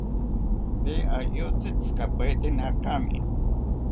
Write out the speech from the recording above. Tee ayotzi tzikapaeteni akami